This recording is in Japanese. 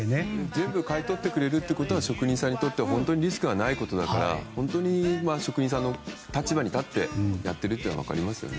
全部買い取ってくれるということは職人さんにとっては本当にリスクがないことだから本当に職人さんの立場に立ってやっているのが分かりますよね。